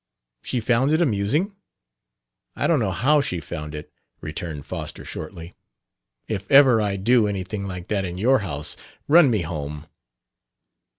"She found it amusing?" "I don't know how she found it," returned Foster shortly. "If ever I do anything like that at your house, run me home."